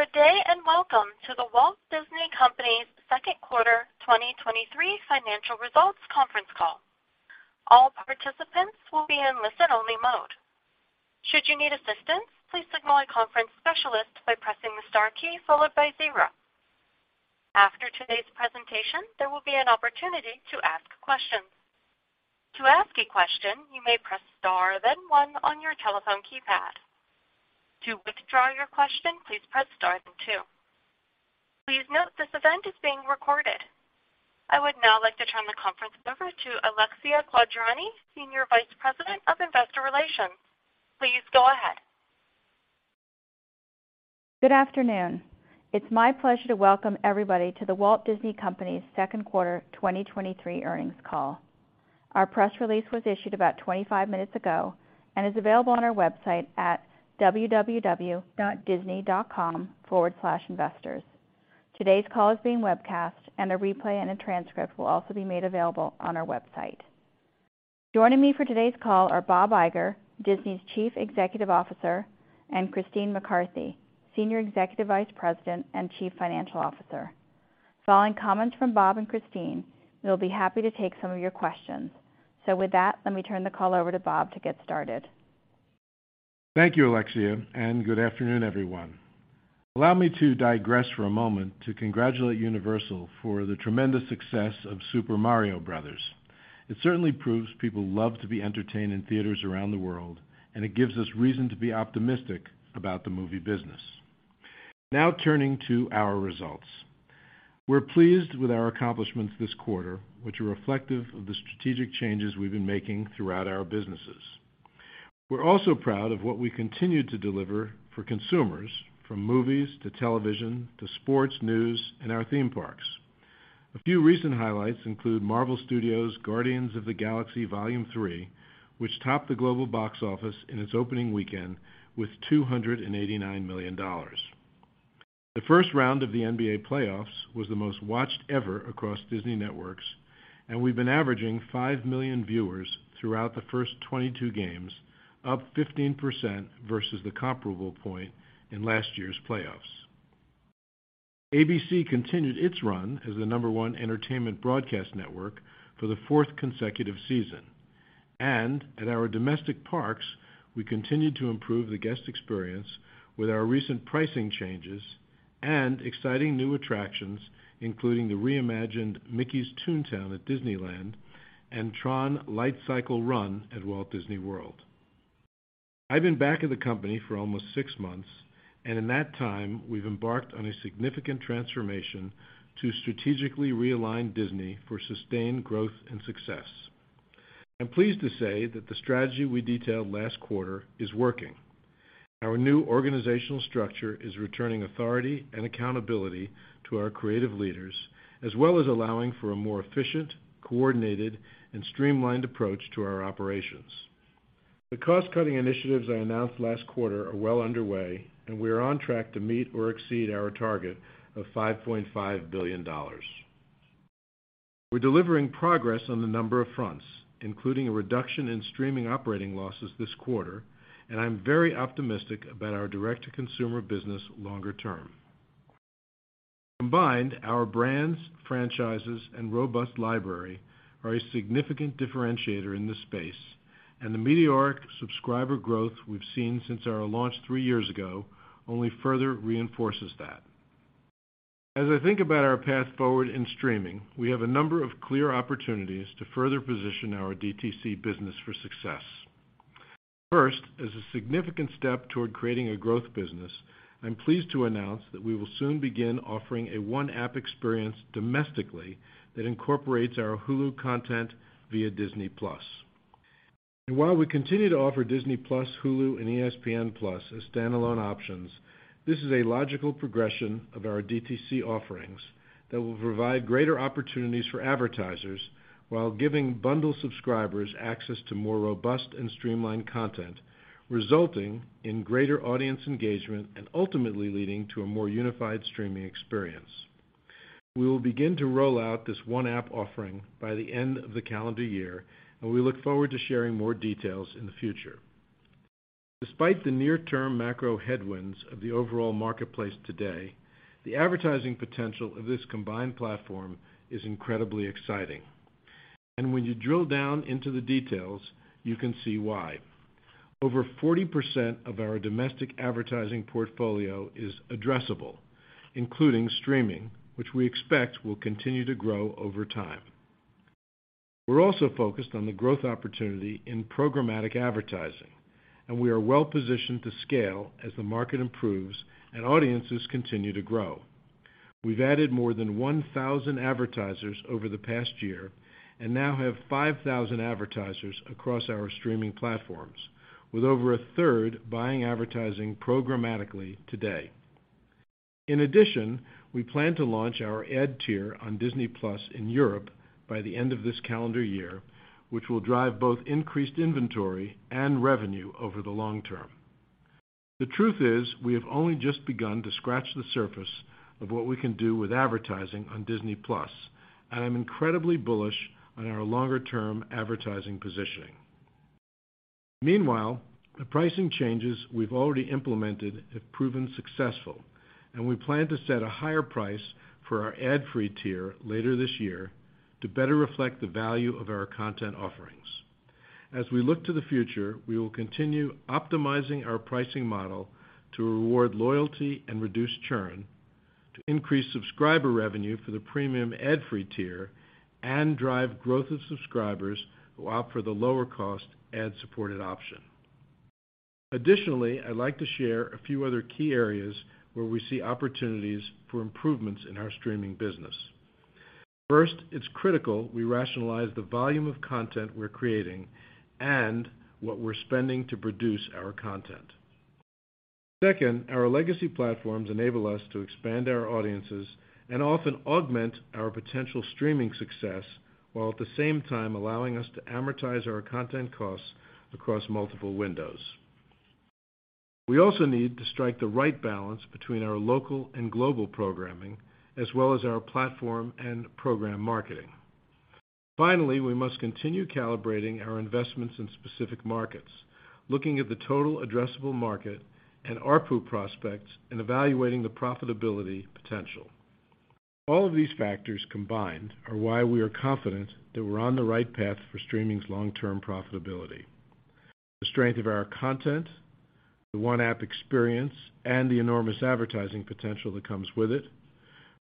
Good day, and welcome to The Walt Disney Company's Q2 2023 financial results conference call. All participants will be in listen-only mode. Should you need assistance, please signal a conference specialist by pressing the Star key followed by zero. After today's presentation, there will be an opportunity to ask questions. To ask a question, you may press Star then one on your telephone keypad. To withdraw your question, please press Star then two. Please note this event is being recorded. I would now like to turn the conference over to Alexia Quadrani, Senior Vice President of Investor Relations. Please go ahead. Good afternoon. It's my pleasure to welcome everybody to The Walt Disney Company's Q2 2023 earnings call. Our press release was issued about 25 minutes ago and is available on our website at www.disney.com/investors. Today's call is being webcast, and a replay and a transcript will also be made available on our website. Joining me for today's call are Bob Iger, Disney's Chief Executive Officer, and Christine McCarthy, Senior Executive Vice President and Chief Financial Officer. Following comments from Bob and Christine, we'll be happy to take some of your questions. With that, let me turn the call over to Bob to get started. Thank you, Alexia, and good afternoon, everyone. Allow me to digress for a moment to congratulate Universal for the tremendous success of Super Mario Bros. It certainly proves people love to be entertained in theaters around the world, and it gives us reason to be optimistic about the movie business. Now turning to our results. We're pleased with our accomplishments this quarter, which are reflective of the strategic changes we've been making throughout our businesses. We're also proud of what we continue to deliver for consumers from movies to television to sports, news, and our theme parks. A few recent highlights include Marvel Studios' Guardians of the Galaxy Vol. 3, which topped the global box office in its opening weekend with $289 million. The first round of the NBA playoffs was the most-watched ever across Disney networks, and we've been averaging 5 million viewers throughout the first 22 games, up 15% versus the comparable point in last year's playoffs. ABC continued its run as the number one entertainment broadcast network for the fourth consecutive season. At our domestic parks, we continued to improve the guest experience with our recent pricing changes and exciting new attractions, including the reimagined Mickey's Toontown at Disneyland and TRON Lightcycle / Run at Walt Disney World. I've been back at the company for almost 6 months, and in that time, we've embarked on a significant transformation to strategically realign Disney for sustained growth and success. I'm pleased to say that the strategy we detailed last quarter is working. Our new organizational structure is returning authority and accountability to our creative leaders, as well as allowing for a more efficient, coordinated, and streamlined approach to our operations. The cost-cutting initiatives I announced last quarter are well underway, and we are on track to meet or exceed our target of $5.5 billion. We're delivering progress on the number of fronts, including a reduction in streaming operating losses this quarter, and I'm very optimistic about our direct-to-consumer business longer term. Combined, our brands, franchises, and robust library are a significant differentiator in this space, and the meteoric subscriber growth we've seen since our launch three years ago only further reinforces that. As I think about our path forward in streaming, we have a number of clear opportunities to further position our DTC business for success. First, as a significant step toward creating a growth business, I'm pleased to announce that we will soon begin offering a one-app experience domestically that incorporates our Hulu content via Disney+. While we continue to offer Disney+, Hulu, and ESPN+ as standalone options, this is a logical progression of our DTC offerings that will provide greater opportunities for advertisers while giving bundle subscribers access to more robust and streamlined content, resulting in greater audience engagement and ultimately leading to a more unified streaming experience. We will begin to roll out this one app offering by the end of the calendar year, and we look forward to sharing more details in the future. Despite the near-term macro headwinds of the overall marketplace today, the advertising potential of this combined platform is incredibly exciting. When you drill down into the details, you can see why. Over 40% of our domestic advertising portfolio is addressable, including streaming, which we expect will continue to grow over time. We're also focused on the growth opportunity in programmatic advertising, and we are well-positioned to scale as the market improves and audiences continue to grow. We've added more than 1,000 advertisers over the past year and now have 5,000 advertisers across our streaming platforms, with over a third buying advertising programmatically today. In addition, we plan to launch our ad tier on Disney+ in Europe by the end of this calendar year, which will drive both increased inventory and revenue over the long term. The truth is we have only just begun to scratch the surface of what we can do with advertising on Disney+. I am incredibly bullish on our longer-term advertising positioning. Meanwhile, the pricing changes we've already implemented have proven successful, and we plan to set a higher price for our ad-free tier later this year to better reflect the value of our content offerings. As we look to the future, we will continue optimizing our pricing model to reward loyalty and reduce churn, to increase subscriber revenue for the premium ad-free tier, and drive growth of subscribers who opt for the lower cost ad-supported option. Additionally, I'd like to share a few other key areas where we see opportunities for improvements in our streaming business. First, it's critical we rationalize the volume of content we're creating and what we're spending to produce our content. Our legacy platforms enable us to expand our audiences and often augment our potential streaming success, while at the same time allowing us to amortize our content costs across multiple windows. We also need to strike the right balance between our local and global programming, as well as our platform and program marketing. Finally, we must continue calibrating our investments in specific markets, looking at the total addressable market and ARPU prospects in evaluating the profitability potential. All of these factors combined are why we are confident that we're on the right path for streaming's long-term profitability. The strength of our content, the one app experience, and the enormous advertising potential that comes with it,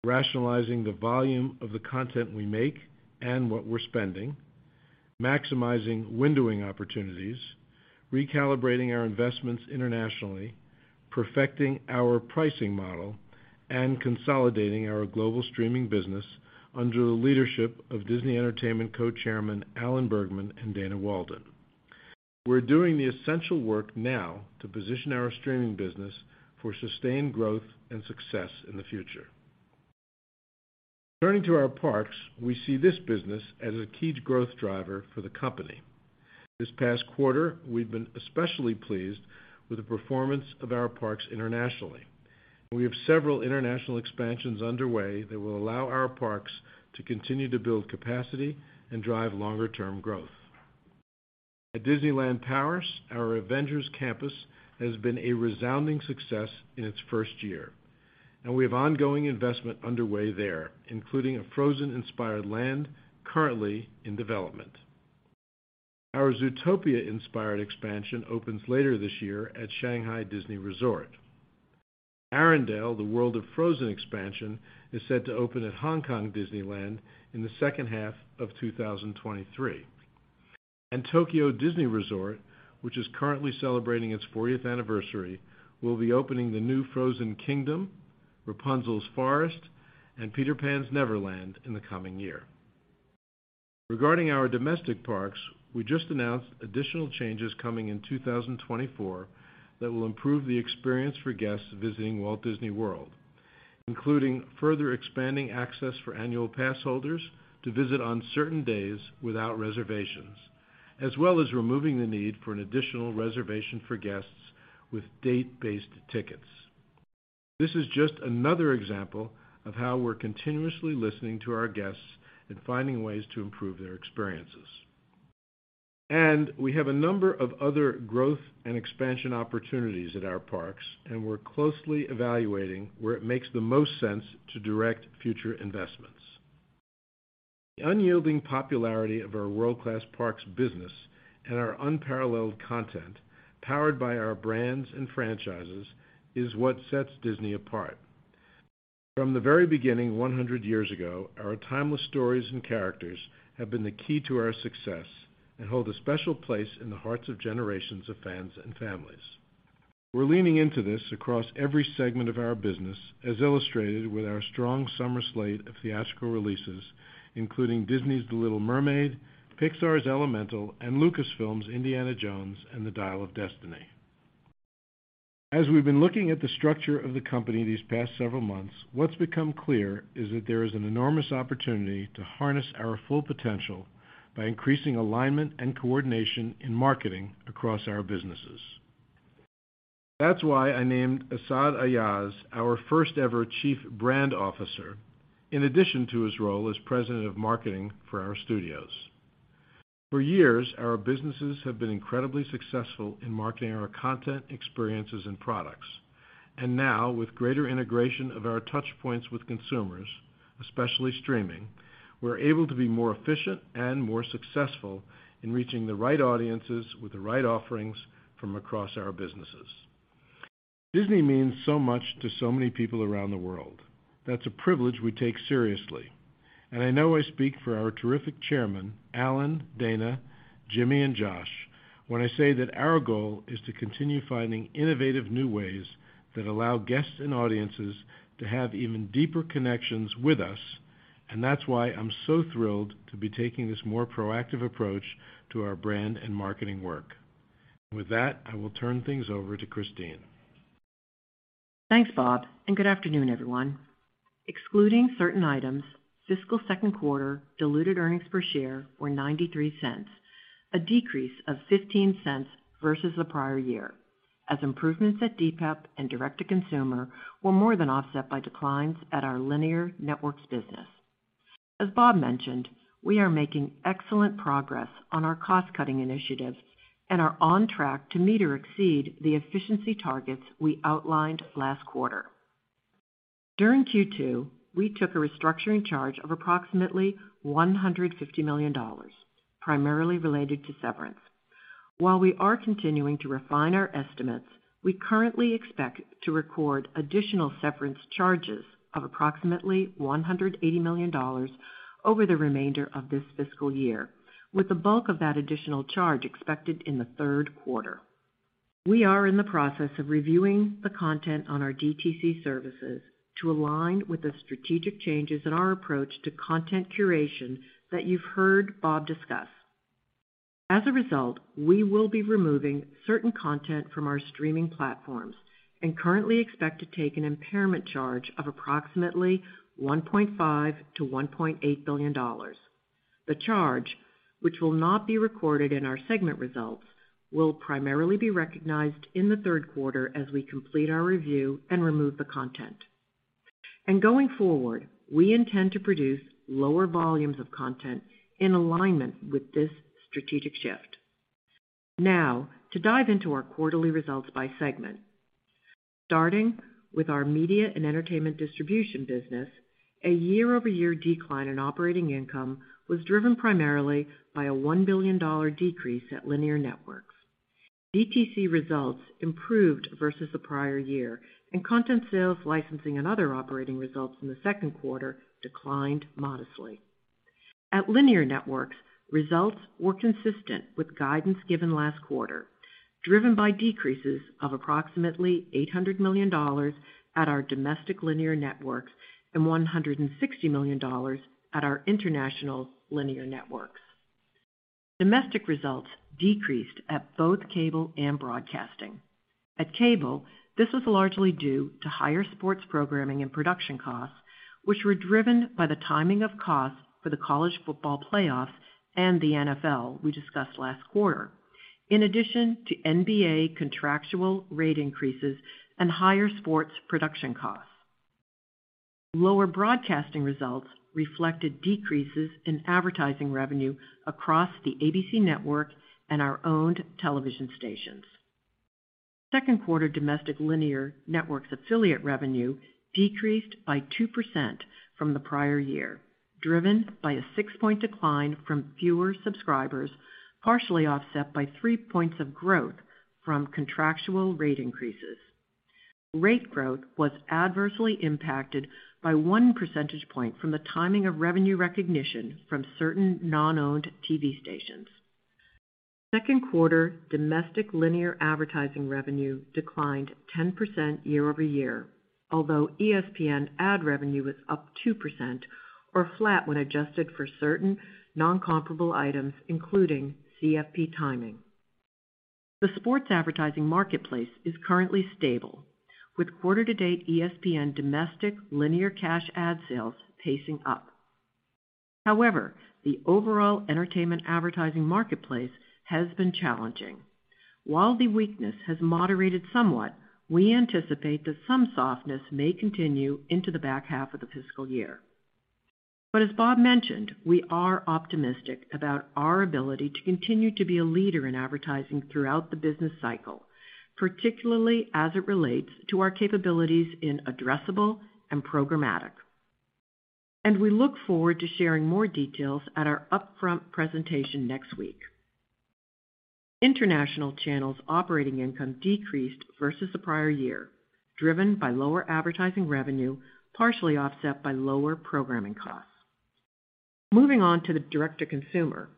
rationalizing the volume of the content we make and what we're spending, maximizing windowing opportunities, recalibrating our investments internationally, perfecting our pricing model, and consolidating our global streaming business under the leadership of Disney Entertainment Co-Chairmen Alan Bergman and Dana Walden. We're doing the essential work now to position our streaming business for sustained growth and success in the future. Turning to our parks, we see this business as a key growth driver for the company. This past quarter, we've been especially pleased with the performance of our parks internationally. We have several international expansions underway that will allow our parks to continue to build capacity and drive longer term growth. At Disneyland Paris, our Avengers Campus has been a resounding success in its first year, and we have ongoing investment underway there, including a Frozen-inspired land currently in development. Our Zootopia-inspired expansion opens later this year at Shanghai Disney Resort. Arendelle, the World of Frozen expansion, is set to open at Hong Kong Disneyland in the second half of 2023. Tokyo Disney Resort, which is currently celebrating its 40th anniversary, will be opening the new Frozen Kingdom, Rapunzel's Forest, and Peter Pan's Neverland in the coming year. Regarding our domestic parks, we just announced additional changes coming in 2024 that will improve the experience for guests visiting Walt Disney World, including further expanding access for annual pass holders to visit on certain days without reservations, as well as removing the need for an additional reservation for guests with date-based tickets. This is just another example of how we're continuously listening to our guests and finding ways to improve their experiences. We have a number of other growth and expansion opportunities at our parks, and we're closely evaluating where it makes the most sense to direct future investments. The unyielding popularity of our world-class parks business and our unparalleled content, powered by our brands and franchises, is what sets Disney apart. From the very beginning 100 years ago, our timeless stories and characters have been the key to our success and hold a special place in the hearts of generations of fans and families. We're leaning into this across every segment of our business, as illustrated with our strong summer slate of theatrical releases, including Disney's The Little Mermaid, Pixar's Elemental, and Lucasfilm's Indiana Jones and the Dial of Destiny. As we've been looking at the structure of the company these past several months, what's become clear is that there is an enormous opportunity to harness our full potential by increasing alignment and coordination in marketing across our businesses. That's why I named Asad Ayaz our first ever Chief Brand Officer, in addition to his role as President of Marketing for our studios. For years, our businesses have been incredibly successful in marketing our content, experiences, and products. Now, with greater integration of our touch points with consumers, especially streaming, we're able to be more efficient and more successful in reaching the right audiences with the right offerings from across our businesses. Disney means so much to so many people around the world. That's a privilege we take seriously. I know I speak for our terrific Chairman, Alan, Dana, Jimmy, and Josh, when I say that our goal is to continue finding innovative new ways that allow guests and audiences to have even deeper connections with us. That's why I'm so thrilled to be taking this more proactive approach to our brand and marketing work. With that, I will turn things over to Christine. Thanks, Bob. Good afternoon, everyone. Excluding certain items, fiscal Q2 diluted earnings per share were $0.93, a decrease of $0.15 versus the prior year, as improvements at DPEP and direct-to-consumer were more than offset by declines at our linear networks business. As Bob mentioned, we are making excellent progress on our cost-cutting initiatives and are on track to meet or exceed the efficiency targets we outlined last quarter. During Q2, we took a restructuring charge of approximately $150 million, primarily related to severance. While we are continuing to refine our estimates, we currently expect to record additional severance charges of approximately $180 million over the remainder of this fiscal year, with the bulk of that additional charge expected in the Q3. We are in the process of reviewing the content on our DTC services to align with the strategic changes in our approach to content curation that you've heard Bob discuss. As a result, we will be removing certain content from our streaming platforms and currently expect to take an impairment charge of approximately $1.5 billion-$1.8 billion. The charge, which will not be recorded in our segment results, will primarily be recognized in the Q3 as we complete our review and remove the content. Going forward, we intend to produce lower volumes of content in alignment with this strategic shift. Now to dive into our quarterly results by segment. Starting with our media and entertainment distribution business, a year-over-year decline in operating income was driven primarily by a $1 billion decrease at Linear Networks. DTC results improved versus the prior year. Content sales licensing and other operating results in the Q2 declined modestly. At Linear Networks, results were consistent with guidance given last quarter, driven by decreases of approximately $800 million at our domestic linear networks and $160 million at our international linear networks. Domestic results decreased at both cable and broadcasting. At cable, this was largely due to higher sports programming and production costs, which were driven by the timing of costs for the College Football Playoff and the NFL we discussed last quarter. In addition to NBA contractual rate increases and higher sports production costs. Lower broadcasting results reflected decreases in advertising revenue across the ABC network and our owned television stations. Q2 domestic linear networks affiliate revenue decreased by 2% from the prior year, driven by a 6-point decline from fewer subscribers, partially offset by 3 points of growth from contractual rate increases. Rate growth was adversely impacted by 1 percentage point from the timing of revenue recognition from certain non-owned TV stations. Q2 domestic linear advertising revenue declined 10% year-over-year, although ESPN ad revenue was up 2% or flat when adjusted for certain non-comparable items, including CFP timing. The sports advertising marketplace is currently stable, with quarter-to-date ESPN domestic linear cash ad sales pacing up. However, the overall entertainment advertising marketplace has been challenging. While the weakness has moderated somewhat, we anticipate that some softness may continue into the back half of the fiscal year. As Bob mentioned, we are optimistic about our ability to continue to be a leader in advertising throughout the business cycle, particularly as it relates to our capabilities in addressable and programmatic. We look forward to sharing more details at our upfront presentation next week. International channels operating income decreased versus the prior year, driven by lower advertising revenue, partially offset by lower programming costs. Moving on to the direct to consumer,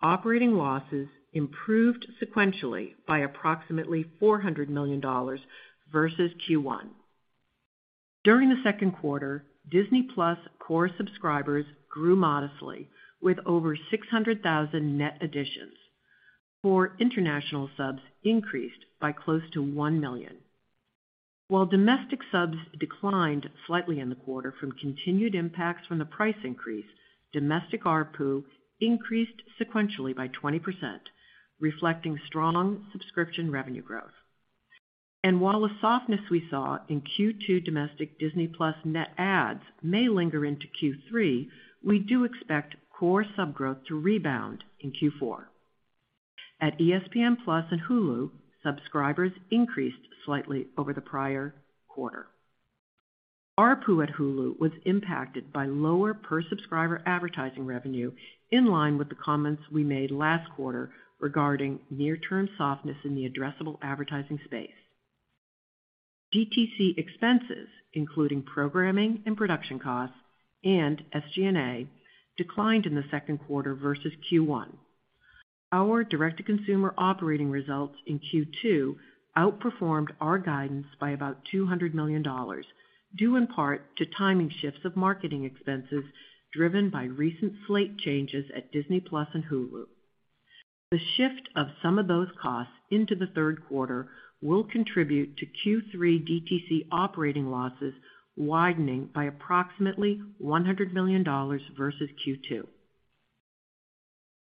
operating losses improved sequentially by approximately $400 million versus Q1. During the Q2, Disney+ core subscribers grew modestly, with over 600,000 net additions. Core international subs increased by close to 1 million. While domestic subs declined slightly in the quarter from continued impacts from the price increase, domestic ARPU increased sequentially by 20%, reflecting strong subscription revenue growth. While the softness we saw in Q2 domestic Disney+ net adds may linger into Q3, we do expect core sub growth to rebound in Q4. At ESPN+ and Hulu, subscribers increased slightly over the prior quarter. ARPU at Hulu was impacted by lower per-subscriber advertising revenue, in line with the comments we made last quarter regarding near-term softness in the addressable advertising space. DTC expenses, including programming and production costs and SG&A, declined in the Q2 versus Q1. Our direct-to-consumer operating results in Q2 outperformed our guidance by about $200 million, due in part to timing shifts of marketing expenses driven by recent slate changes at Disney+ and Hulu. The shift of some of those costs into the Q3 will contribute to Q3 DTC operating losses widening by approximately $100 million versus Q2.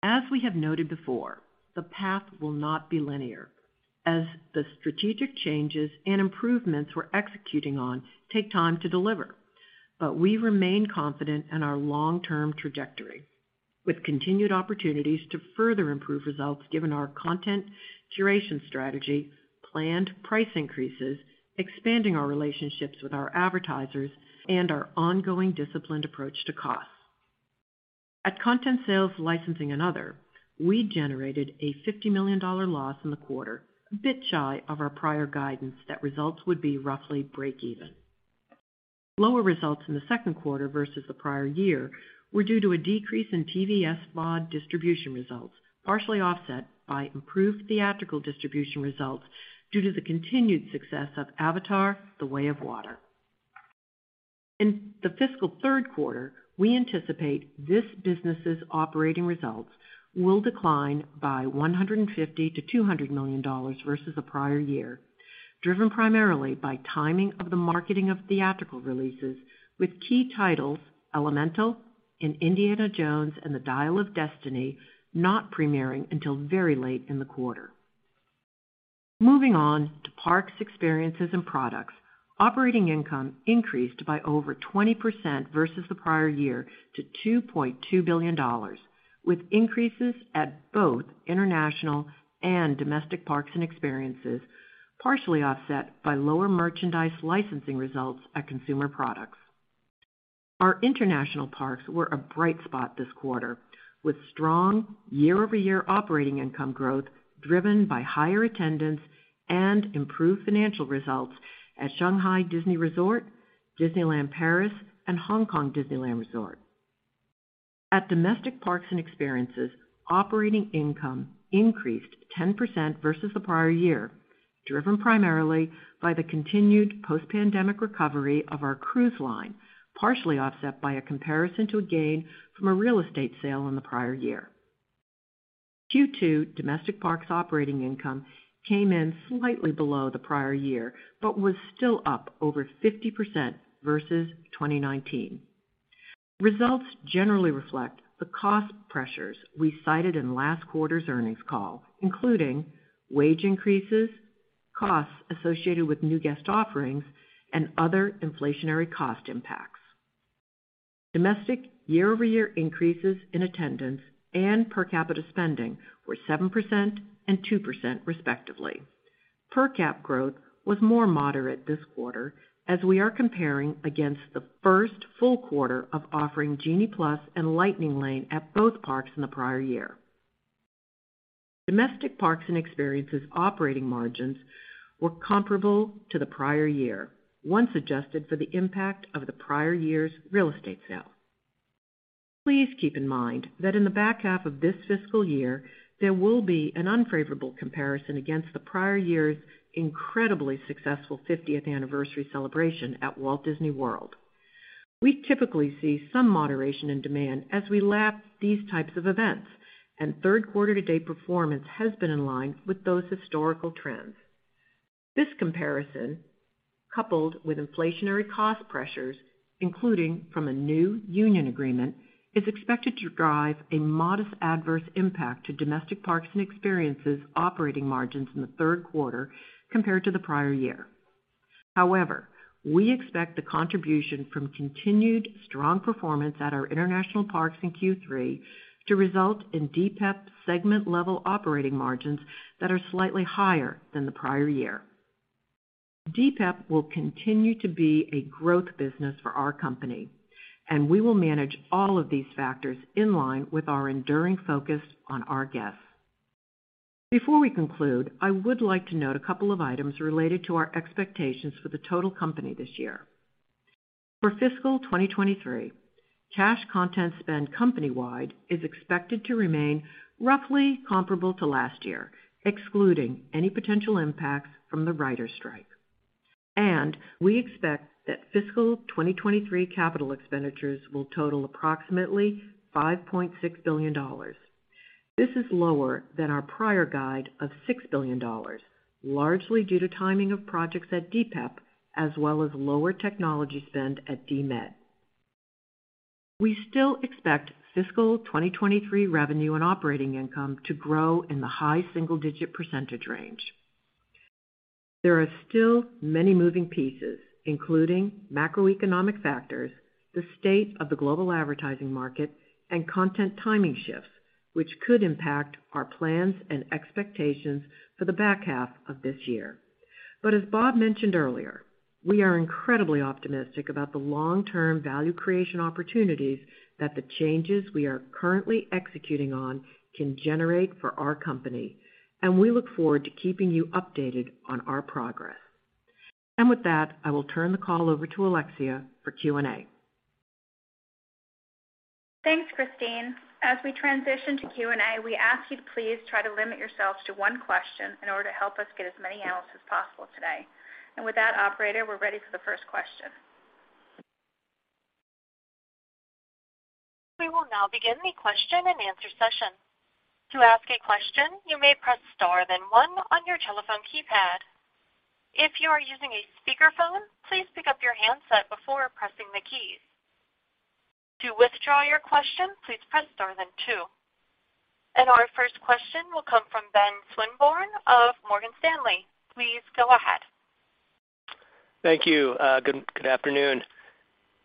As we have noted before, the path will not be linear as the strategic changes and improvements we're executing on take time to deliver. We remain confident in our long-term trajectory with continued opportunities to further improve results given our content curation strategy, planned price increases, expanding our relationships with our advertisers, and our ongoing disciplined approach to costs. At content sales licensing and other, we generated a $50 million loss in the quarter, a bit shy of our prior guidance that results would be roughly break even. Lower results in the Q2 versus the prior year were due to a decrease in TV/SVOD distribution results, partially offset by improved theatrical distribution results due to the continued success of Avatar: The Way of Water. In the fiscal Q3, we anticipate this business's operating results will decline by $150 million-$200 million versus the prior year, driven primarily by timing of the marketing of theatrical releases, with key titles Elemental and Indiana Jones and the Dial of Destiny not premiering until very late in the quarter. Moving on to Parks, Experiences and Products. Operating income increased by over 20% versus the prior year to $2.2 billion, with increases at both international and domestic parks and experiences, partially offset by lower merchandise licensing results at Consumer Products. Our international parks were a bright spot this quarter, with strong year-over-year operating income growth driven by higher attendance and improved financial results at Shanghai Disney Resort, Disneyland Paris and Hong Kong Disneyland Resort. At domestic parks and experiences, operating income increased 10% versus the prior year, driven primarily by the continued post-pandemic recovery of our cruise line, partially offset by a comparison to a gain from a real estate sale in the prior year. Q2 domestic parks operating income came in slightly below the prior year, but was still up over 50% versus 2019. Results generally reflect the cost pressures we cited in last quarter's earnings call, including wage increases, costs associated with new guest offerings, and other inflationary cost impacts. Domestic year-over-year increases in attendance and per capita spending were 7% and 2%, respectively. Per cap growth was more moderate this quarter, as we are comparing against the first full quarter of offering Genie+ and Lightning Lane at both parks in the prior year. Domestic parks and experiences operating margins were comparable to the prior year, once adjusted for the impact of the prior year's real estate sale. Please keep in mind that in the back half of this fiscal year, there will be an unfavorable comparison against the prior year's incredibly successful 50th anniversary celebration at Walt Disney World. We typically see some moderation in demand as we lap these types of events, and Q3 to date performance has been in line with those historical trends. This comparison, coupled with inflationary cost pressures, including from a new union agreement, is expected to drive a modest adverse impact to domestic parks and experiences operating margins in the Q3 compared to the prior year. However, we expect the contribution from continued strong performance at our international parks in Q3 to result in DPEP segment level operating margins that are slightly higher than the prior year. DPEP will continue to be a growth business for our company, and we will manage all of these factors in line with our enduring focus on our guests. Before we conclude, I would like to note a couple of items related to our expectations for the total company this year. For fiscal 2023, cash content spend company wide is expected to remain roughly comparable to last year, excluding any potential impacts from the writers' strike. We expect that fiscal 2023 capital expenditures will total approximately $5.6 billion. This is lower than our prior guide of $6 billion, largely due to timing of projects at DPEP as well as lower technology spend at DMED. We still expect fiscal 2023 revenue and operating income to grow in the high single-digit % range. There are still many moving pieces, including macroeconomic factors, the state of the global advertising market, and content timing shifts, which could impact our plans and expectations for the back half of this year. As Bob mentioned earlier, we are incredibly optimistic about the long-term value creation opportunities that the changes we are currently executing on can generate for our company. We look forward to keeping you updated on our progress. With that, I will turn the call over to Alexia for Q&A. Thanks, Christine. As we transition to Q&A, we ask you to please try to limit yourselves to one question in order to help us get as many analysts as possible today. With that, operator, we're ready for the first question. We will now begin the question-and-answer session. To ask a question, you may press star, then one on your telephone keypad. If you are using a speakerphone, please pick up your handset before pressing the keys. To withdraw your question, please press star then two. Our first question will come from Ben Swinburne of Morgan Stanley. Please go ahead. Thank you. Good afternoon.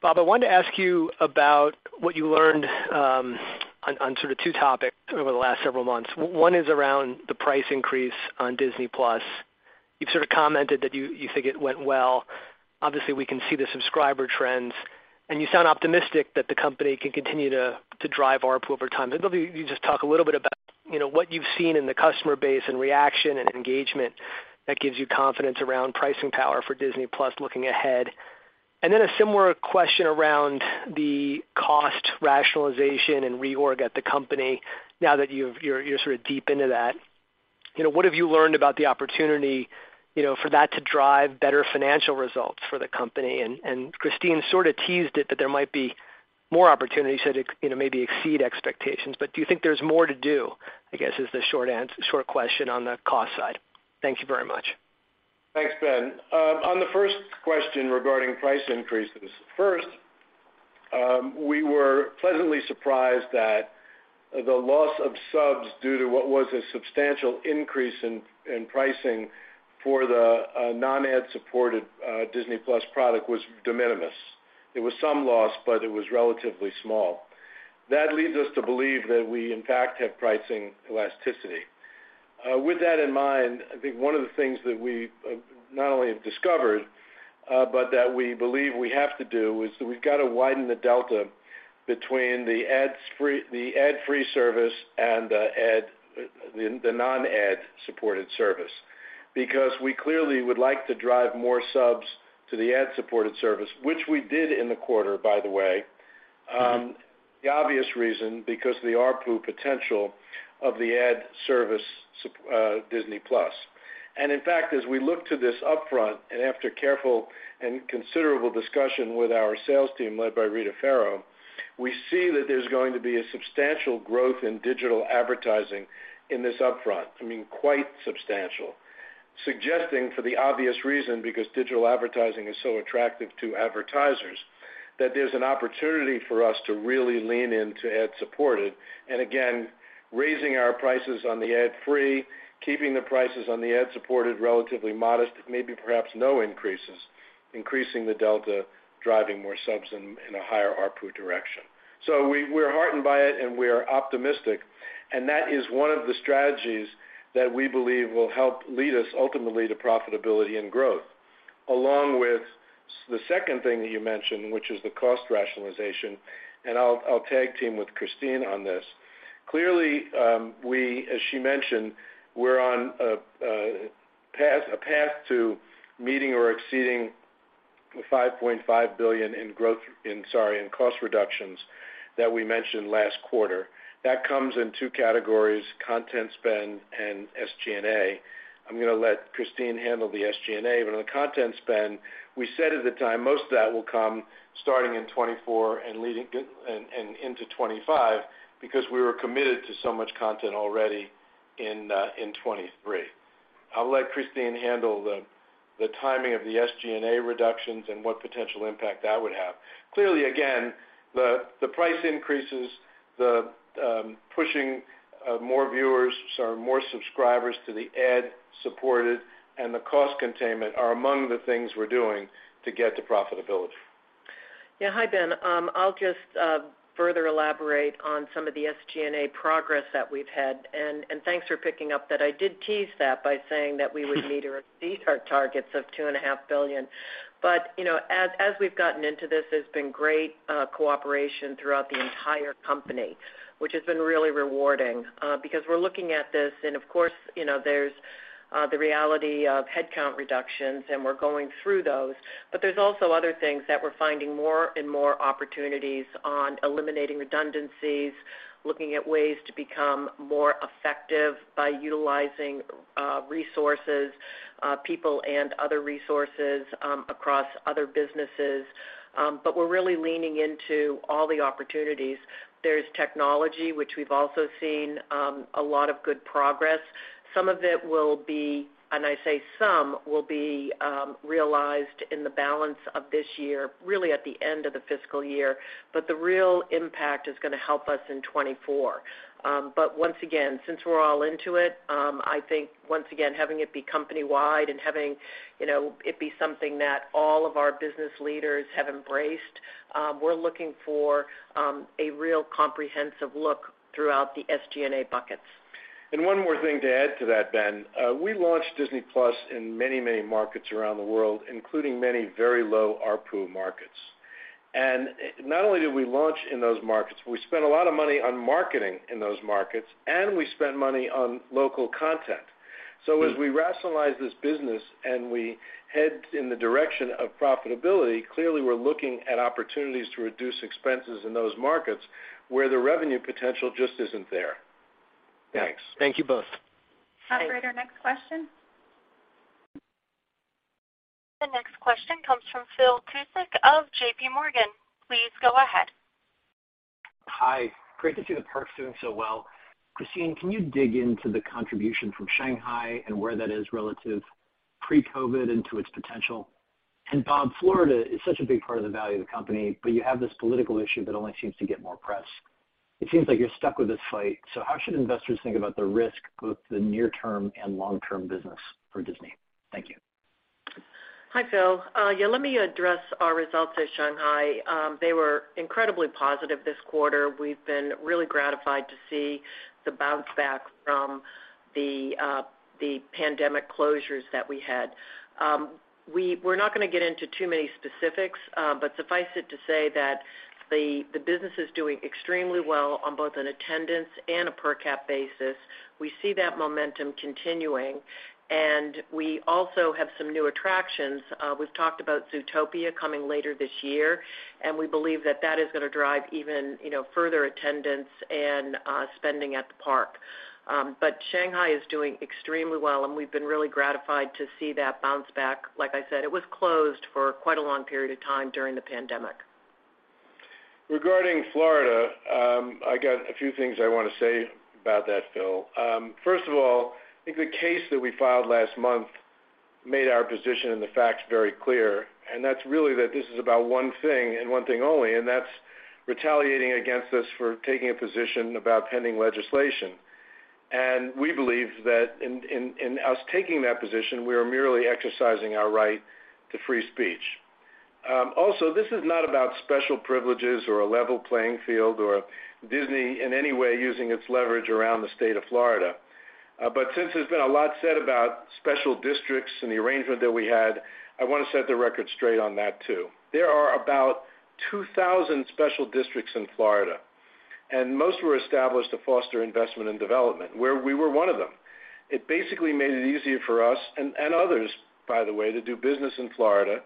Bob, I wanted to ask you about what you learned on sort of two topics over the last several months. One is around the price increase on Disney+. You've sort of commented that you think it went well. Obviously, we can see the subscriber trends, and you sound optimistic that the company can continue to drive ARPU over time. Maybe you just talk a little bit about, you know, what you've seen in the customer base and reaction and engagement that gives you confidence around pricing power for Disney+ looking ahead. Then a similar question around the cost rationalization and reorg at the company now that you're sort of deep into that. You know, what have you learned about the opportunity, you know, for that to drive better financial results for the company? Christine sort of teased it that there might be more opportunities to, you know, maybe exceed expectations. Do you think there's more to do, I guess, is the short question on the cost side? Thank you very much. Thanks, Ben. On the first question regarding price increases, first, we were pleasantly surprised that the loss of subs due to what was a substantial increase in pricing for the non-ad supported Disney+ product was de minimis. There was some loss, but it was relatively small. That leads us to believe that we, in fact, have pricing elasticity. With that in mind, I think one of the things that we not only have discovered, but that we believe we have to do, is we've got to widen the delta between the ad-free service and the non-ad supported service. We clearly would like to drive more subs to the ad-supported service, which we did in the quarter, by the way. The obvious reason, because the ARPU potential of the ad service Disney+. In fact, as we look to this upfront and after careful and considerable discussion with our sales team led by Rita Ferro, we see that there's going to be a substantial growth in digital advertising in this upfront. I mean, quite substantial. Suggesting for the obvious reason, because digital advertising is so attractive to advertisers, that there's an opportunity for us to really lean into ad supported. Again, raising our prices on the ad free, keeping the prices on the ad supported relatively modest, maybe perhaps no increases, increasing the delta, driving more subs in a higher ARPU direction. We're heartened by it, and we are optimistic, and that is one of the strategies that we believe will help lead us ultimately to profitability and growth. Along with the second thing that you mentioned, which is the cost rationalization, and I'll tag team with Christine on this. Clearly, as she mentioned, we're on a path to meeting or exceeding the $5.5 billion in cost reductions that we mentioned last quarter. That comes in two categories, content spend and SG&A. I'm gonna let Christine handle the SG&A, but on the content spend, we said at the time most of that will come starting in 2024 and leading into 2025 because we were committed to so much content already in 2023. I'll let Christine handle the timing of the SG&A reductions and what potential impact that would have. Clearly, again, the price increases, the pushing more viewers or more subscribers to the ad supported and the cost containment are among the things we're doing to get to profitability. Yeah. Hi, Ben. I'll just further elaborate on some of the SG&A progress that we've had. Thanks for picking up that I did tease that by saying that we would meet or exceed our targets of two and a half billion. You know, as we've gotten into this, there's been great cooperation throughout the entire company, which has been really rewarding. Because we're looking at this and of course, you know, there's the reality of headcount reductions, and we're going through those. There's also other things that we're finding more and more opportunities on eliminating redundancies, looking at ways to become more effective by utilizing resources, people and other resources across other businesses. We're really leaning into all the opportunities. There's technology, which we've also seen a lot of good progress. Some of it will be, and I say some, will be realized in the balance of this year, really at the end of the fiscal year. The real impact is gonna help us in 2024. Once again, since we're all into it, I think once again, having it be company-wide and having, you know, it be something that all of our business leaders have embraced, we're looking for a real comprehensive look throughout the SG&A buckets. One more thing to add to that, Ben. We launched Disney+ in many, many markets around the world, including many very low ARPU markets. Not only did we launch in those markets, we spent a lot of money on marketing in those markets, and we spent money on local content. As we rationalize this business and we head in the direction of profitability, clearly we're looking at opportunities to reduce expenses in those markets where the revenue potential just isn't there. Thanks. Thank you both. Thanks. Operator, next question. The next question comes from Phil Cusick of JPMorgan Chase. Please go ahead Hi. Great to see the parks doing so well. Christine, can you dig into the contribution from Shanghai and where that is relative pre-COVID into its potential? Bob, Florida is such a big part of the value of the company, but you have this political issue that only seems to get more press. It seems like you're stuck with this fight. How should investors think about the risk, both the near term and long-term business for Disney? Thank you. Hi, Phil. Yeah, let me address our results at Shanghai. They were incredibly positive this quarter. We've been really gratified to see the bounce back from the pandemic closures that we had. We're not gonna get into too many specifics, but suffice it to say that the business is doing extremely well on both an attendance and a per cap basis. We see that momentum continuing, and we also have some new attractions. We've talked about Zootopia coming later this year, and we believe that that is gonna drive even, you know, further attendance and spending at the park. Shanghai is doing extremely well, and we've been really gratified to see that bounce back. Like I said, it was closed for quite a long period of time during the pandemic. Regarding Florida, I got a few things I want to say about that, Phil. First of all, I think the case that we filed last month made our position and the facts very clear, and that's really that this is about one thing and one thing only, and that's retaliating against us for taking a position about pending legislation. We believe that in us taking that position, we are merely exercising our right to free speech. Also, this is not about special privileges or a level playing field or Disney in any way using its leverage around the state of Florida. Since there's been a lot said about special districts and the arrangement that we had, I want to set the record straight on that too. There are about 2,000 special districts in Florida. Most were established to foster investment and development, where we were one of them. It basically made it easier for us and others, by the way, to do business in Florida.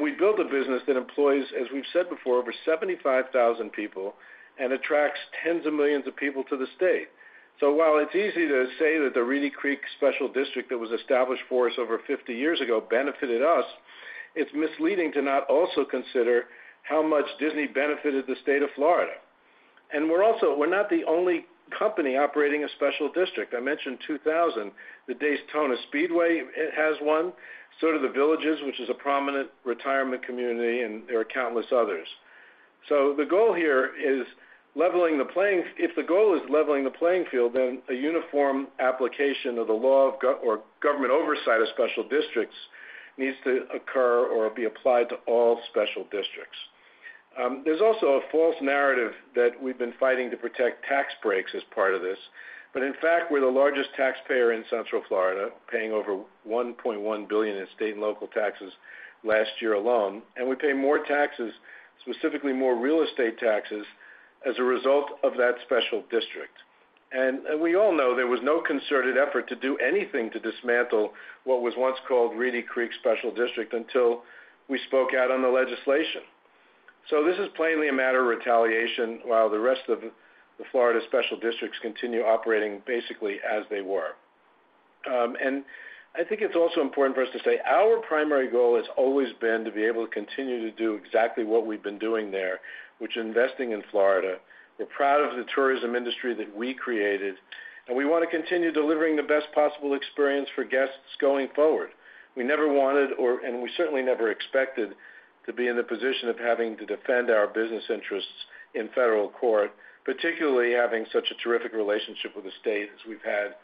We built a business that employs, as we've said before, over 75,000 people and attracts tens of millions of people to the state. While it's easy to say that the Reedy Creek Special District that was established for us over 50 years ago benefited us, it's misleading to not also consider how much Disney benefited the state of Florida. We're also, we're not the only company operating a special district. I mentioned 2,000. The Daytona Speedway has one, so do The Villages, which is a prominent retirement community. There are countless others. The goal here is leveling the playing field, then a uniform application of the law or government oversight of special districts needs to occur or be applied to all special districts. There's also a false narrative that we've been fighting to protect tax breaks as part of this. In fact, we're the largest taxpayer in Central Florida, paying over $1.1 billion in state and local taxes last year alone. We pay more taxes, specifically more real estate taxes, as a result of that special district. We all know there was no concerted effort to do anything to dismantle what was once called Reedy Creek Special District until we spoke out on the legislation. This is plainly a matter of retaliation while the rest of the Florida special districts continue operating basically as they were. I think it's also important for us to say our primary goal has always been to be able to continue to do exactly what we've been doing there, which is investing in Florida. We're proud of the tourism industry that we created, and we want to continue delivering the best possible experience for guests going forward. We never wanted and we certainly never expected to be in the position of having to defend our business interests in federal court, particularly having such a terrific relationship with the state as we've had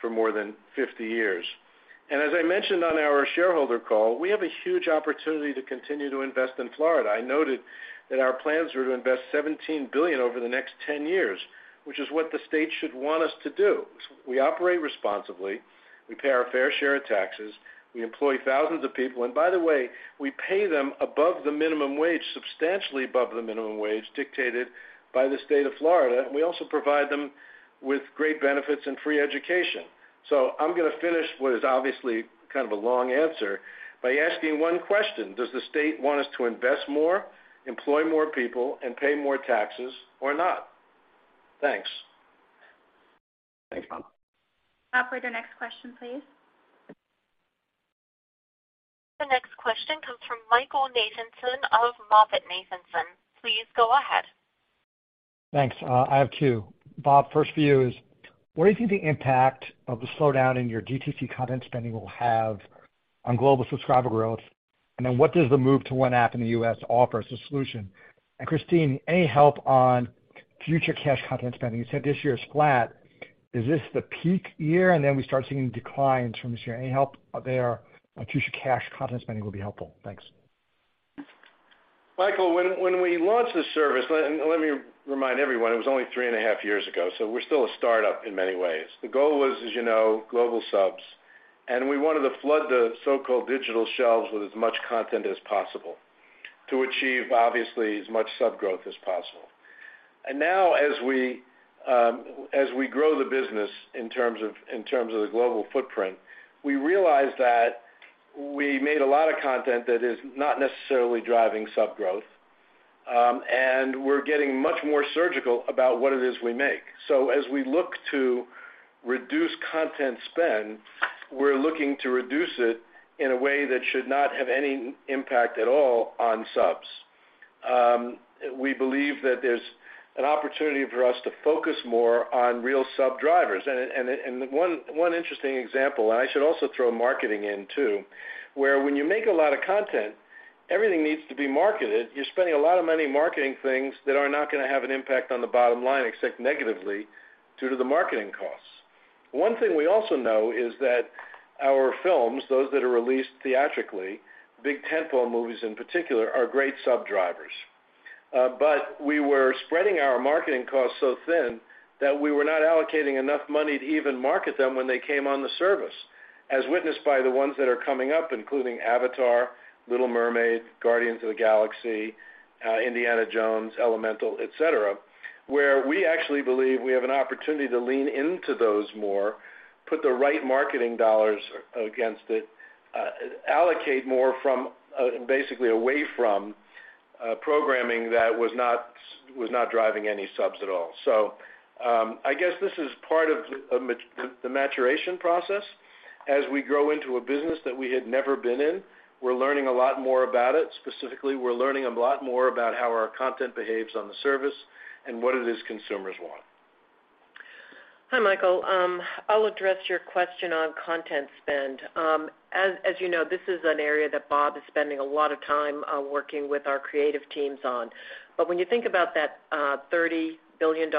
for more than 50 years. As I mentioned on our shareholder call, we have a huge opportunity to continue to invest in Florida. I noted that our plans are to invest $17 billion over the next 10 years, which is what the state should want us to do. We operate responsibly, we pay our fair share of taxes, we employ thousands of people. By the way, we pay them above the minimum wage, substantially above the minimum wage dictated by the state of Florida, and we also provide them with great benefits and free education. I'm gonna finish what is obviously kind of a long answer by asking one question, does the state want us to invest more, employ more people, and pay more taxes or not? Thanks. Thanks, Bob. Operator, next question, please. The next question comes from Michael Nathanson of MoffettNathanson. Please go ahead. Thanks. I have two. Bob, first for you is, what do you think the impact of the slowdown in your DTC content spending will have on global subscriber growth? Then what does the move to one app in the U.S. offer as a solution? Christine, any help on future cash content spending? You said this year is flat. Is this the peak year? Then we start seeing declines from this year. Any help there on future cash content spending will be helpful. Thanks. Michael, when we launched this service, let me remind everyone it was only 3 and a half years ago, so we're still a startup in many ways. The goal was, as you know, global subs, and we wanted to flood the so-called digital shelves with as much content as possible to achieve, obviously, as much sub growth as possible. Now as we grow the business in terms of, in terms of the global footprint, we realize that we made a lot of content that is not necessarily driving sub growth, and we're getting much more surgical about what it is we make. As we look to reduce content spend, we're looking to reduce it in a way that should not have any impact at all on subs. We believe that there's an opportunity for us to focus more on real sub drivers. One interesting example, I should also throw marketing in too, where when you make a lot of content, everything needs to be marketed. You're spending a lot of money marketing things that are not gonna have an impact on the bottom line except negatively due to the marketing costs. One thing we also know is that our films, those that are released theatrically, big tent-pole movies in particular, are great sub drivers. we were spreading our marketing costs so thin that we were not allocating enough money to even market them when they came on the service, as witnessed by the ones that are coming up, including Avatar, Little Mermaid, Guardians of the Galaxy, Indiana Jones, Elemental, et cetera, where we actually believe we have an opportunity to lean into those more, put the right marketing dollars against it, allocate more from, basically away from, programming that was not driving any subs at all. I guess this is part of the maturation process. As we grow into a business that we had never been in, we're learning a lot more about it. Specifically, we're learning a lot more about how our content behaves on the service and what it is consumers want. Hi, Michael. I'll address your question on content spend. As you know, this is an area that Bob is spending a lot of time working with our creative teams on. When you think about that, $30 billion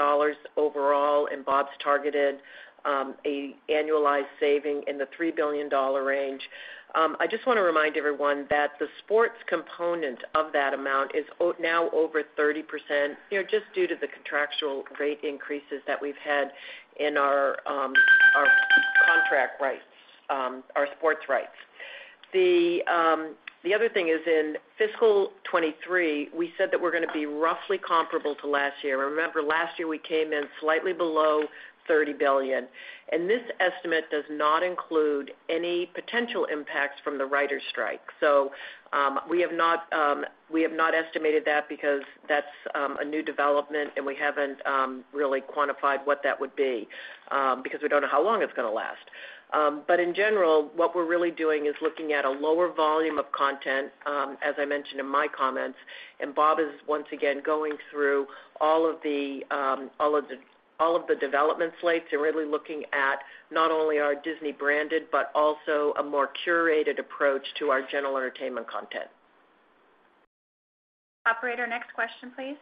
overall, and Bob's targeted a annualized saving in the $3 billion range, I just wanna remind everyone that the sports component of that amount is now over 30%, you know, just due to the contractual rate increases that we've had in our contract rights, our sports rights. The other thing is in fiscal 2023, we said that we're gonna be rough ly comparable to last year. Remember, last year we came in slightly below $30 billion, and this estimate does not include any potential impacts from the writers' strike. We have not, we have not estimated that because that's a new development, and we haven't really quantified what that would be, because we don't know how long it's gonna last. In general, what we're really doing is looking at a lower volume of content, as I mentioned in my comments, and Bob is once again going through all of the development slates and really looking at not only our Disney branded, but also a more curated approach to our general entertainment content. Operator, next question, please.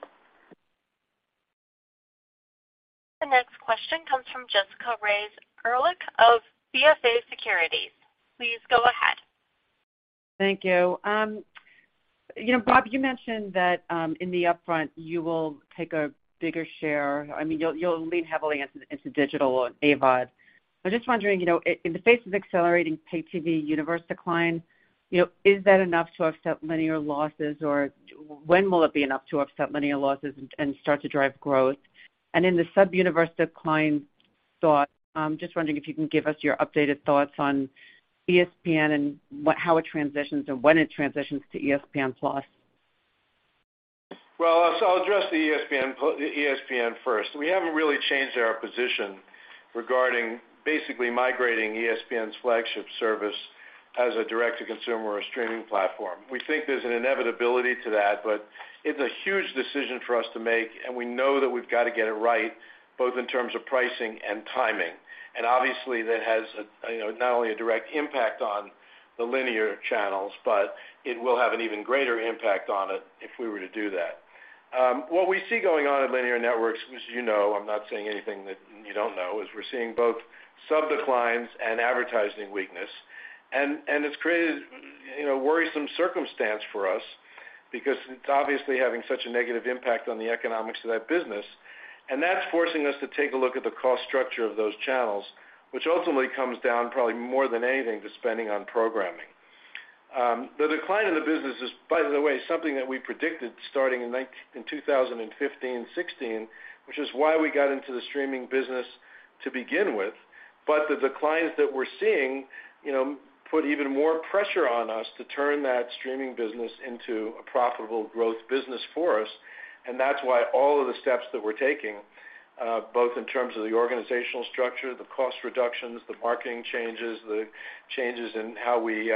The next question comes from Jessica Reif Ehrlich of BofA Securities. Please go ahead. Thank you. You know, Bob, you mentioned that, in the upfront you will take a bigger share. I mean, you'll lean heavily into digital or AVOD. I'm just wondering, you know, in the face of accelerating pay TV universe decline, you know, is that enough to offset linear losses, or when will it be enough to offset linear losses and start to drive growth? In the sub universe decline thought, I'm just wondering if you can give us your updated thoughts on ESPN and how it transitions and when it transitions to ESPN+. I'll address the ESPN first. We haven't really changed our position regarding basically migrating ESPN's flagship service as a direct-to-consumer or streaming platform. We think there's an inevitability to that, but it's a huge decision for us to make, and we know that we've got to get it right, both in terms of pricing and timing. Obviously, that has a, you know, not only a direct impact on the linear channels, but it will have an even greater impact on it if we were to do that. What we see going on in linear networks, as you know, I'm not saying anything that you don't know, is we're seeing both sub declines and advertising weakness. It's created, you know, worrisome circumstance for us because it's obviously having such a negative impact on the economics of that business. That's forcing us to take a look at the cost structure of those channels, which ultimately comes down probably more than anything to spending on programming. The decline in the business is, by the way, something that we predicted starting in 2015, 2016, which is why we got into the streaming business to begin with. The declines that we're seeing, you know, put even more pressure on us to turn that streaming business into a profitable growth business for us. That's why all of the steps that we're taking, both in terms of the organizational structure, the cost reductions, the marketing changes, the changes in how we,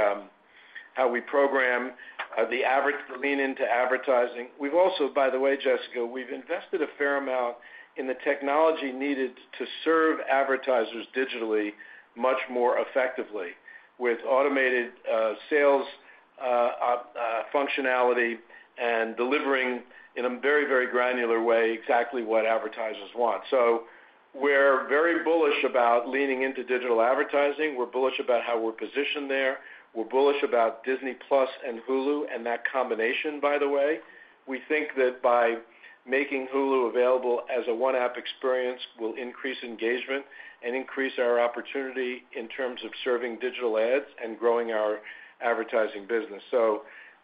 how we program, lean into advertising. We've also, by the way, Jessica, we've invested a fair amount in the technology needed to serve advertisers digitally much more effectively with automated sales functionality and delivering in a very, very granular way exactly what advertisers want. We're very bullish about leaning into digital advertising. We're bullish about how we're positioned there. We're bullish about Disney+ and Hulu and that combination, by the way. We think that by making Hulu available as a one app experience will increase engagement and increase our opportunity in terms of serving digital ads and growing our advertising business.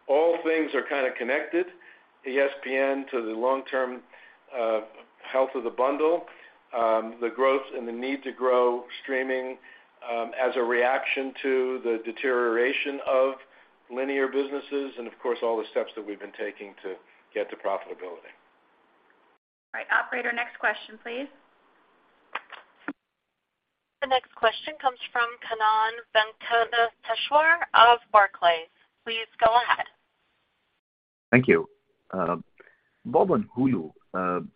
All things are kinda connected, ESPN to the long-term health of the bundle, the growth and the need to grow streaming as a reaction to the deterioration of linear businesses and of course, all the steps that we've been taking to get to profitability. All right, operator, next question, please. The next question comes from Kannan Venkateshwar of Barclays. Please go ahead. Thank you. Bob, on Hulu, the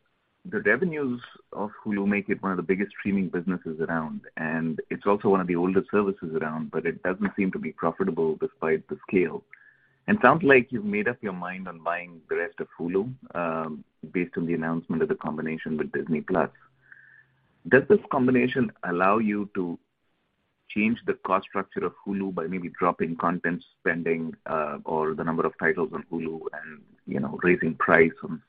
revenues of Hulu make it one of the biggest streaming businesses around, and it's also one of the oldest services around, but it doesn't seem to be profitable despite the scale. It sounds like you've made up your mind on buying the rest of Hulu, based on the announcement of the combination with Disney+. Does this combination allow you to change the cost structure of Hulu by maybe dropping content spending, or the number of titles on Hulu and, you know, raising price on,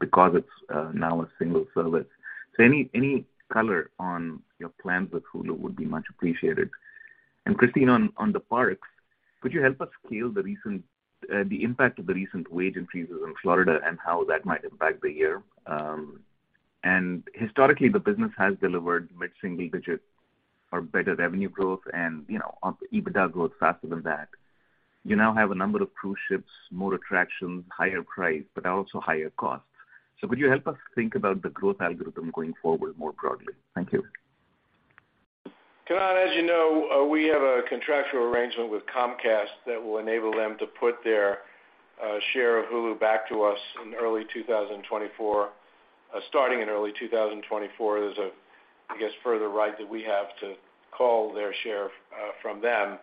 because it's now a single service? Any, any color on your plans with Hulu would be much appreciated. Christine, on the parks, could you help us scale the impact of the recent wage increases in Florida and how that might impact the year? Historically, the business has delivered mid-single digit or better revenue growth and, you know, EBITDA growth faster than that. You now have a number of cruise ships, more attractions, higher price, but also higher costs. Could you help us think about the growth algorithm going forward more broadly? Thank you. Kannan, as you know, we have a contractual arrangement with Comcast that will enable them to put their share of Hulu back to us in early 2024. Starting in early 2024, there's a, I guess, further right that we have to call their share from them.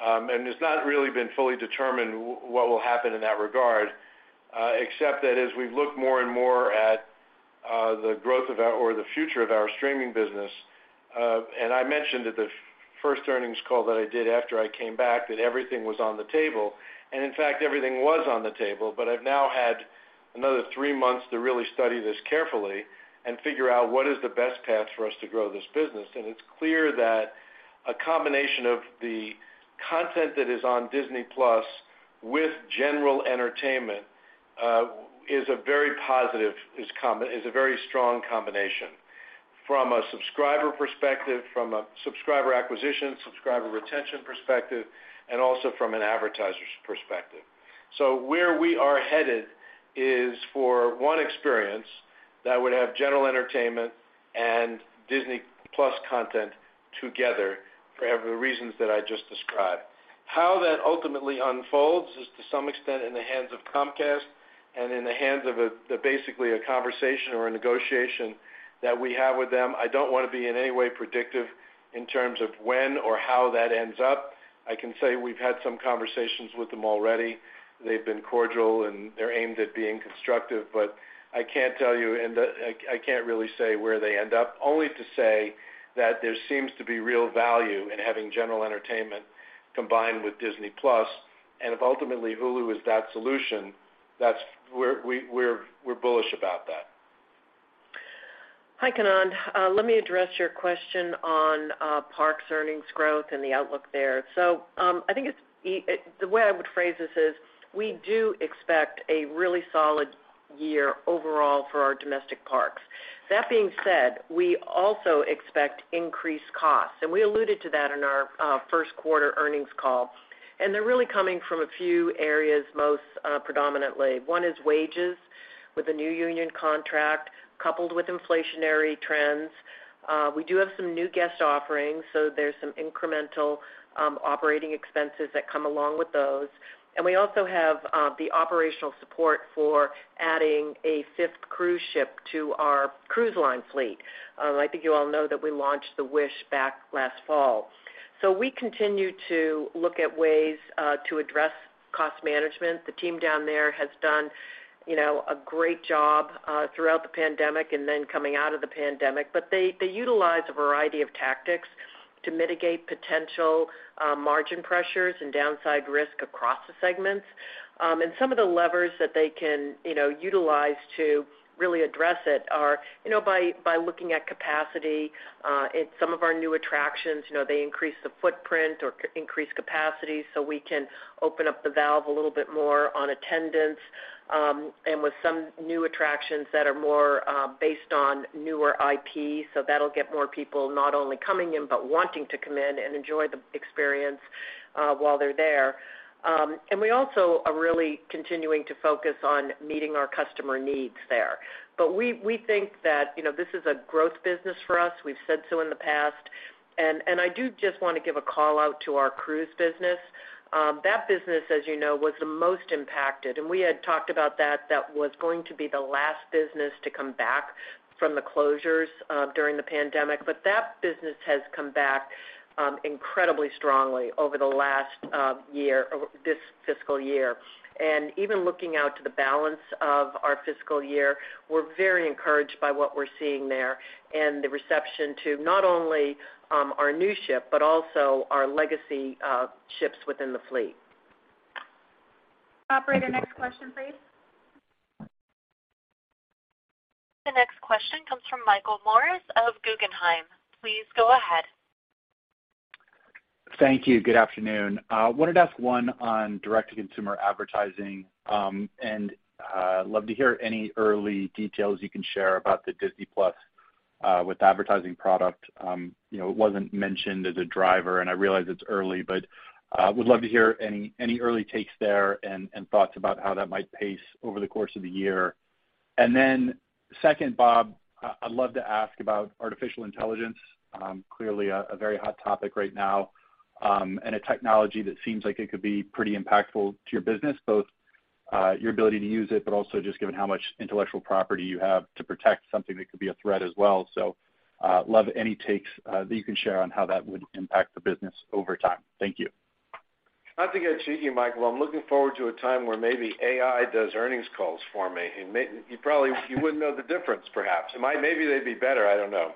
It's not really been fully determined what will happen in that regard, except that as we've looked more and more at the growth of our or the future of our streaming business, I mentioned at the first earnings call that I did after I came back that everything was on the table, and in fact, everything was on the table. I've now had another three months to really study this carefully and figure out what is the best path for us to grow this business. It's clear that a combination of the content that is on Disney+ with general entertainment, is a very strong combination from a subscriber perspective, from a subscriber acquisition, subscriber retention perspective, and also from an advertiser's perspective. Where we are headed is for one experience that would have general entertainment and Disney+ content together for every reasons that I just described. How that ultimately unfolds is to some extent in the hands of Comcast and in the hands of basically a conversation or a negotiation that we have with them. I don't want to be in any way predictive in terms of when or how that ends up. I can say we've had some conversations with them already. They've been cordial and they're aimed at being constructive. I can't tell you and I can't really say where they end up, only to say that there seems to be real value in having general entertainment combined with Disney+. If ultimately Hulu is that solution, that's we're bullish about that. Hi, Kannan. Let me address your question on parks earnings growth and the outlook there. I think the way I would phrase this is we do expect a really solid year overall for our domestic parks. That being said, we also expect increased costs, and we alluded to that in our Q1 earnings call, and they're really coming from a few areas, most predominantly. One is wages with a new union contract coupled with inflationary trends. We do have some new guest offerings, so there's some incremental operating expenses that come along with those. We also have the operational support for adding a fifth cruise ship to our cruise line fleet. I think you all know that we launched the Wish back last fall. We continue to look at ways to address cost management. The team down there has done, you know, a great job, throughout the pandemic and then coming out of the pandemic. They utilize a variety of tactics to mitigate potential margin pressures and downside risk across the segments. Some of the levers that they can, you know, utilize to really address it are, you know, by looking at capacity at some of our new attractions. You know, they increase the footprint or increase capacity, so we can open up the valve a little bit more on attendance, and with some new attractions that are more based on newer IP. That'll get more people not only coming in, but wanting to come in and enjoy the experience while they're there. We also are really continuing to focus on meeting our customer needs there. We think that, you know, this is a growth business for us. We've said so in the past. I do just want to give a call out to our cruise business. That business, as you know, was the most impacted, and we had talked about that. That was going to be the last business to come back from the closures during the pandemic. That business has come back incredibly strongly over the last year or this fiscal year. Even looking out to the balance of our fiscal year, we're very encouraged by what we're seeing there and the reception to not only our new ship, but also our legacy ships within the fleet. Operator, next question, please. The next question comes from Michael Morris of Guggenheim. Please go ahead. Thank you. Good afternoon. wanted to ask one on direct-to-consumer advertising, and, love to hear any early details you can share about the Disney+. With advertising product, you know, it wasn't mentioned as a driver, and I realize it's early, but would love to hear any early takes there and thoughts about how that might pace over the course of the year. Second, Bob, I'd love to ask about artificial intelligence. Clearly a very hot topic right now, and a technology that seems like it could be pretty impactful to your business, both your ability to use it, but also just given how much intellectual property you have to protect something that could be a threat as well. Love any takes that you can share on how that would impact the business over time. Thank you. Not to get cheeky, Michael, I'm looking forward to a time where maybe AI does earnings calls for me. You probably, you wouldn't know the difference perhaps. It might maybe they'd be better. I don't know.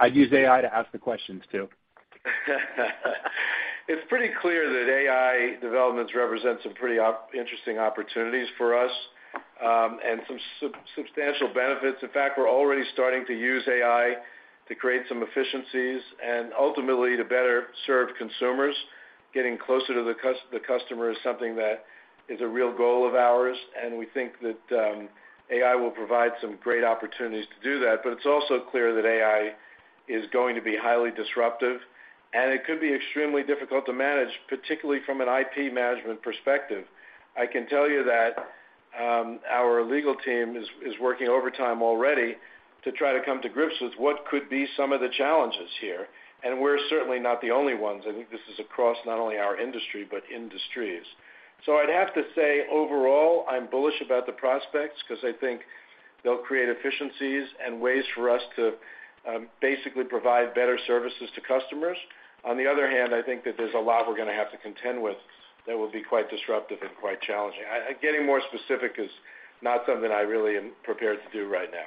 I'd use AI to ask the questions too. It's pretty clear that AI developments represent some pretty interesting opportunities for us, and some substantial benefits. In fact, we're already starting to use AI to create some efficiencies and ultimately to better serve consumers. Getting closer to the customer is something that is a real goal of ours, and we think that AI will provide some great opportunities to do that. It's also clear that AI is going to be highly disruptive, and it could be extremely difficult to manage, particularly from an IP management perspective. I can tell you that our legal team is working overtime already to try to come to grips with what could be some of the challenges here, and we're certainly not the only ones. I think this is across not only our industry, but industries. I'd have to say, overall, I'm bullish about the prospects because I think they'll create efficiencies and ways for us to basically provide better services to customers. On the other hand, I think that there's a lot we're gonna have to contend with that will be quite disruptive and quite challenging. Getting more specific is not something I really am prepared to do right now.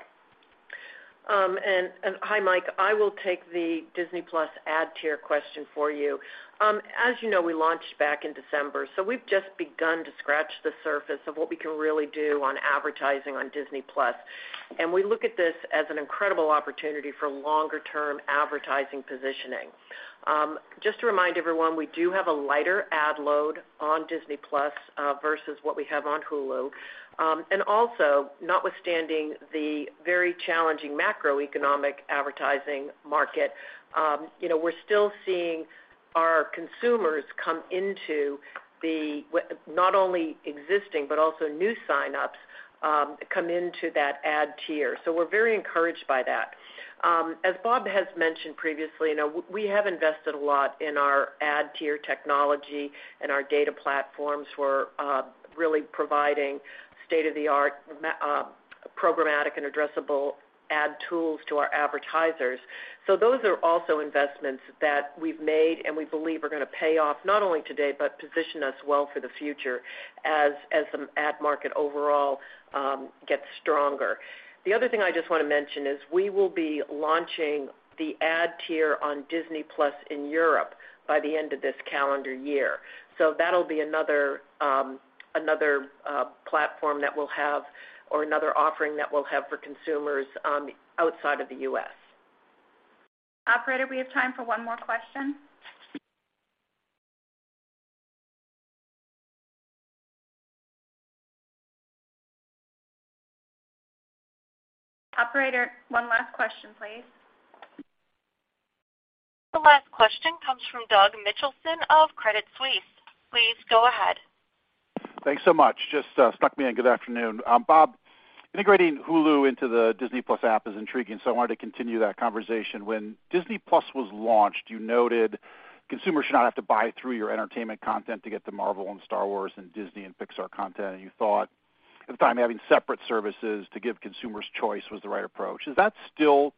Hi, Mike. I will take the Disney+ ad tier question for you. As you know, we launched back in December, so we've just begun to scratch the surface of what we can really do on advertising on Disney+. We look at this as an incredible opportunity for longer-term advertising positioning. Just to remind everyone, we do have a lighter ad load on Disney+, versus what we have on Hulu. Also notwithstanding the very challenging macroeconomic advertising market, you know, we're still seeing our consumers come into the not only existing but also new signups, come into that ad tier. We're very encouraged by that. As Bob has mentioned previously, you know, we have invested a lot in our ad tier technology and our data platforms. We're really providing state-of-the-art programmatic and addressable ad tools to our advertisers. Those are also investments that we've made and we believe are gonna pay off not only today, but position us well for the future as the ad market overall gets stronger. The other thing I just wanna mention is we will be launching the ad tier on Disney+ in Europe by the end of this calendar year. That'll be another platform that we'll have or another offering that we'll have for consumers outside of the U.S. Operator, we have time for one more question. Operator, one last question, please. The last question comes from Doug Mitchelson of Credit Suisse. Please go ahead. Thanks so much. Just stuck me in. Good afternoon. Bob, integrating Hulu into the Disney+ app is intriguing, so I wanted to continue that conversation. When Disney+ was launched, you noted consumers should not have to buy through your entertainment content to get the Marvel and Star Wars and Disney and Pixar content. You thought at the time, having separate services to give consumers choice was the right approach. Is that still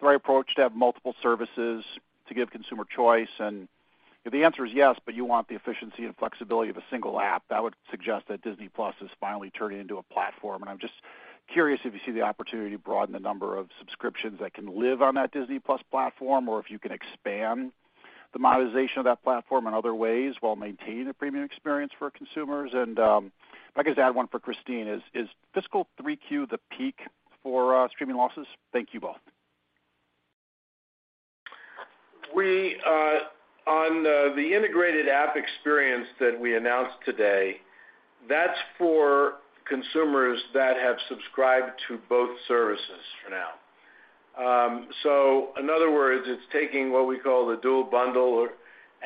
the right approach to have multiple services to give consumer choice? If the answer is yes, but you want the efficiency and flexibility of a single app, that would suggest that Disney+ is finally turning into a platform. I'm just curious if you see the opportunity to broaden the number of subscriptions that can live on that Disney+ platform, or if you can expand the monetization of that platform in other ways while maintaining a premium experience for consumers. If I could just add one for Christine, is fiscal 3Q the peak for streaming losses? Thank you both. We on the integrated app experience that we announced today, that's for consumers that have subscribed to both services for now. In other words, it's taking what we call the dual bundle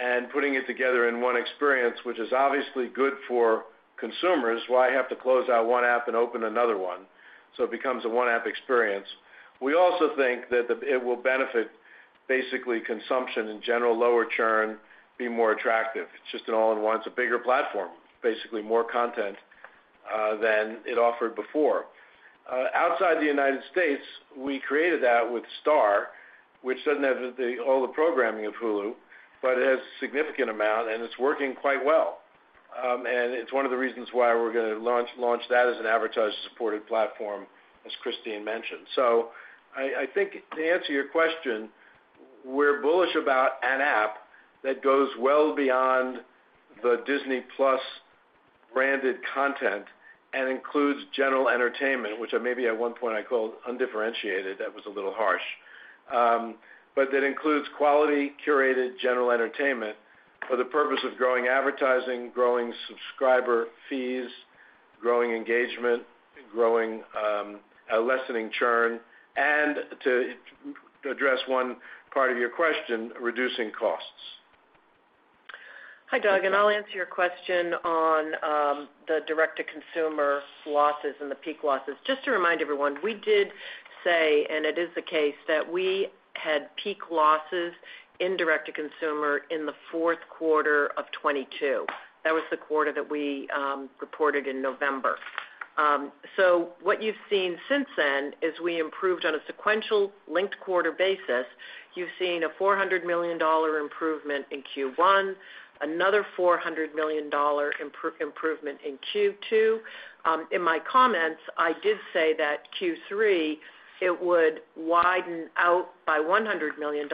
and putting it together in 1 experience, which is obviously good for consumers. Why have to close out 1 app and open another 1? It becomes a 1 app experience. We also think that it will benefit basically consumption in general, lower churn, be more attractive. It's just an all in one. It's a bigger platform, basically more content than it offered before. Outside the United States we created that with Star, which doesn't have all the programming of Hulu, but it has a significant amount and it's working quite well. And it's one of the reasons why we're gonna launch that as an advertiser supported platform, as Christine mentioned. I think to answer your question, we're bullish about an app that goes well beyond the Disney+ branded content and includes general entertainment, which maybe at one point I called undifferentiated. That was a little harsh. That includes quality curated general entertainment for the purpose of growing advertising, growing subscriber fees, growing engagement, growing lessening churn, and to address one part of your question, reducing costs. Hi, Doug. I'll answer your question on the direct-to-consumer losses and the peak losses. Just to remind everyone, we did say, and it is the case that we had peak losses in direct-to-consumer in the Q4 of 2022. That was the quarter that we reported in November. What you've seen since then is we improved on a sequential linked quarter basis. You've seen a $400 million improvement in Q1, another $400 million improvement in Q2. In my comments, I did say that Q3, it would widen out by $100 million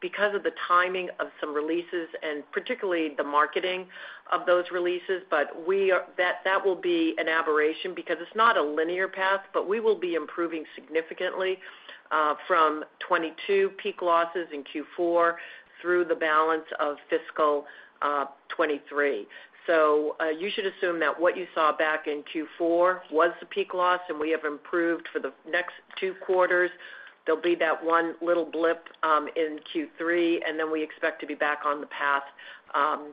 because of the timing of some releases and particularly the marketing of those releases. That will be an aberration because it's not a linear path, but we will be improving significantly from 22 peak losses in Q4 through the balance of fiscal 23. You should assume that what you saw back in Q4 was the peak loss, and we have improved for the next two quarters. There'll be that one little blip in Q3, and then we expect to be back on the path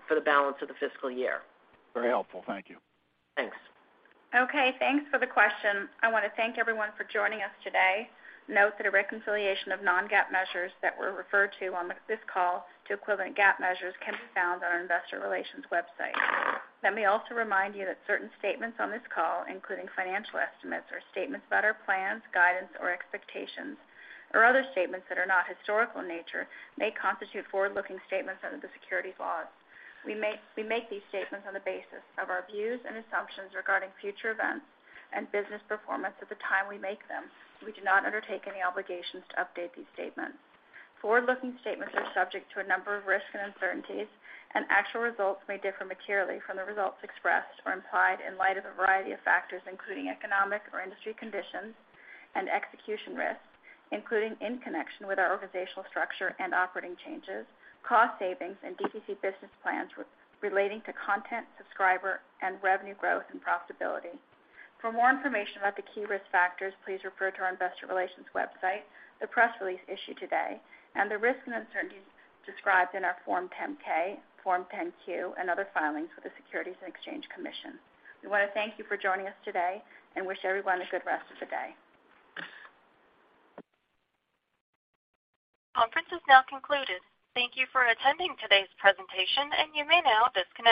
for the balance of the fiscal year. Very helpful. Thank you. Thanks. Okay, thanks for the question. I wanna thank everyone for joining us today. Note that a reconciliation of non-GAAP measures that were referred to on this call to equivalent GAAP measures can be found on our investor relations website. Let me also remind you that certain statements on this call, including financial estimates or statements about our plans, guidance, or expectations, or other statements that are not historical in nature, may constitute forward-looking statements under the securities laws. We make these statements on the basis of our views and assumptions regarding future events and business performance at the time we make them. We do not undertake any obligations to update these statements. Forward-looking statements are subject to a number of risks and uncertainties. Actual results may differ materially from the results expressed or implied in light of a variety of factors, including economic or industry conditions and execution risks, including in connection with our organizational structure and operating changes, cost savings, and DTC business plans relating to content, subscriber, and revenue growth and profitability. For more information about the key risk factors, please refer to our investor relations website, the press release issued today, and the risks and uncertainties described in our Form 10-K, Form 10-Q, and other filings with the Securities and Exchange Commission. We wanna thank you for joining us today. Wish everyone a good rest of the day. Conference is now concluded. Thank you for attending today's presentation. You may now disconnect.